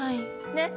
ねっ。